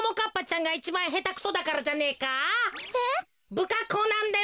ぶかっこうなんだよな。